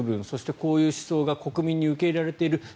そしてこういう思想が国民に受け入れられている。